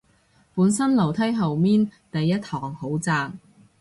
本身樓梯後面第一行好窄